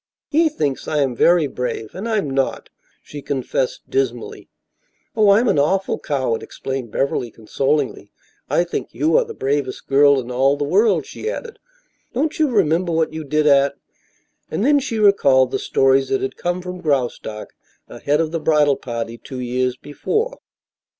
He thinks I am very brave and I'm not," she confessed, dismally. "Oh, I'm an awful coward," explained Beverly, consolingly. "I think you are the bravest girl in all the world," she added. "Don't you remember what you did at " and then she recalled the stories that had come from Graustark ahead of the bridal party two years before.